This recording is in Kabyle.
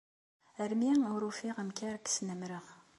Armi ur ufiɣ amek ara k-snamreɣ.